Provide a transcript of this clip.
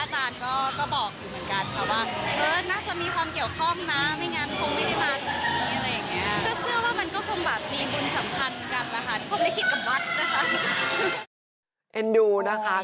แล้วก็ทางพระอาจารย์ก็บอกอยู่เหมือนกัน